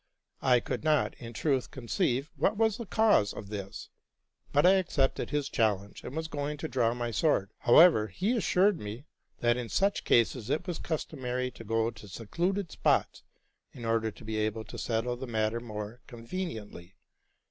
I could not, in truth, conceive what was the cause of this; but I accepted his challenge, and was going to draw my sword. However, he assured me, that in such cases it was customary to go to secluded spots, in order to be able to settle the mat ter more conveniently.